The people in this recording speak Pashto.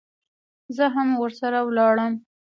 زه هم ورسره ولاړم.